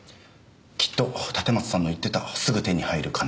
きっと立松さんの言ってたすぐ手に入る金。